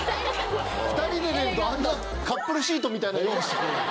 ２人で出るとあんなカップルシートみたいなのを用意してくれるの？